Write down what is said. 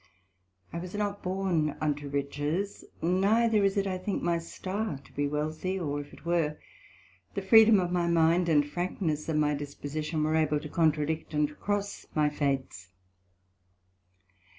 I was not born unto riches, neither is it I think my Star to be wealthy; or if it were, the freedom of my mind, and frankness of my disposition, were able to contradict and cross my fates.